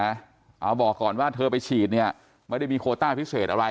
เอาบอกก่อนว่าเธอไปฉีดเนี่ยไม่ได้มีโคต้าพิเศษอะไร